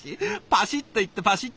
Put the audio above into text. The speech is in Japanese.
パシッといってパシッと。